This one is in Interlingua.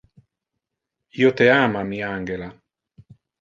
Io te ama, mi angela.